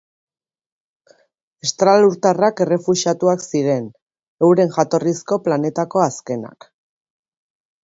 Estralurtarrak errefuxiatuak ziren, euren jatorrizko planetako azkenak.